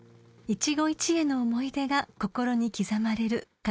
［一期一会の思い出が心に刻まれる金沢の空旅です］